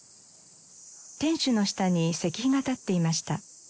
天守の下に石碑が立っていました。